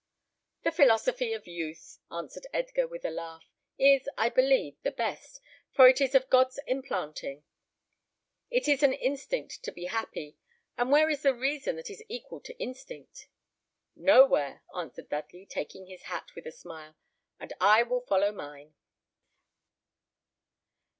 "The philosophy of youth," answered Edgar, with a laugh, "is, I believe, the best, for it is of God's implanting. It is an instinct to be happy; and where is the reason that is equal to instinct?" "Nowhere," answered Dudley, taking his hat, with a smile; "and I will follow mine."